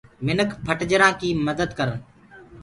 مِنک ڦٽجلآنٚ ڪي مدت ڪرن۔